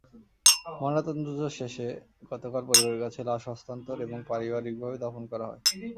ময়নাতদন্ত শেষে গতকাল পরিবারের কাছে লাশ হস্তান্তর এবং পারিবারিকভাবে দাফন করা হয়।